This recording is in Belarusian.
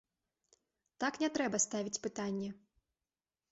Так не трэба ставіць пытанне.